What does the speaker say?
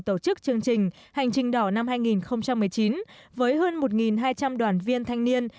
tổ chức chương trình hành trình đỏ năm hai nghìn một mươi chín với hơn một hai trăm linh đoàn viên thanh niên